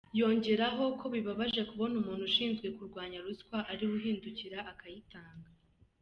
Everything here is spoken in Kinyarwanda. Yongeraho ko bibabaje kubona umuntu ushinzwe kurwanya ruswa ariwe uhindukira akayitanga.